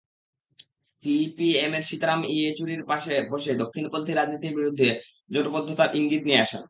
সিপিএমের সীতারাম ইয়েচুরির পাশে বসে দক্ষিণপন্থী রাজনীতির বিরুদ্ধে জোটবদ্ধতার ইঙ্গিত দিয়ে আসেন।